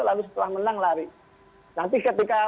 lalu setelah menang lari nanti ketika